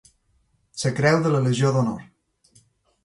La creu de la Legió d'Honor.